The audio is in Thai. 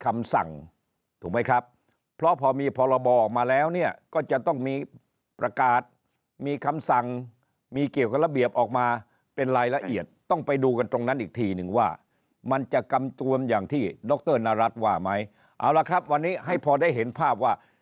คำสั่งถูกไหมครับเพราะพอมีพรบออกมาแล้วเนี่ยก็จะต้องมีประกาศมีคำสั่งมีเกี่ยวกับระเบียบออกมาเป็นรายละเอียดต้องไปดูกันตรงนั้นอีกทีหนึ่งว่ามันจะกำจวมอย่างที่ดรนรัฐว่าไหมเอาละครับวันนี้ให้พอได้เห็นภาพว่า